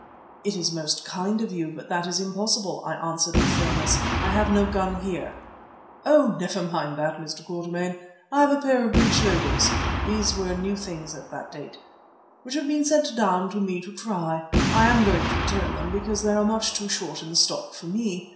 "It is most kind of you, but that is impossible," I answered with firmness. "I have no gun here." "Oh, never mind that, Mr. Quatermain. I have a pair of breech loaders"—these were new things at that date—"which have been sent down to me to try. I am going to return them, because they are much too short in the stock for me.